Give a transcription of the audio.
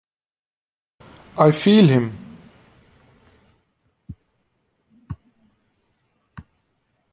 I feel him!